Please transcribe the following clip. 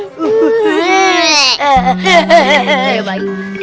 alah palingan dia juga nangis